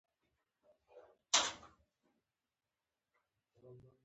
پر لاره لکه کابل د موټرو زیاته ګڼه ګوڼه وه.